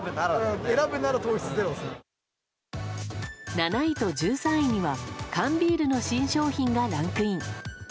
７位と１３位には缶ビールの新商品がランクイン。